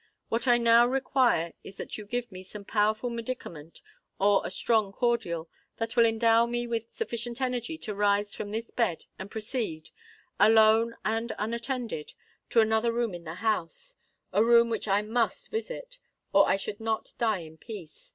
What I now require is that you give me some powerful medicament or a strong cordial, that will endow me with sufficient energy to rise from this bed and proceed—alone and unattended—to another room in the house,—a room which I must visit—or I should not die in peace!